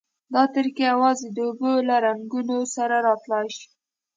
دا طریقه یوازې د اوبو له رنګونو سره را تلای شي.